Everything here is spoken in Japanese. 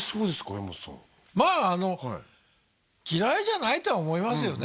柄本さんまああの嫌いじゃないとは思いますよね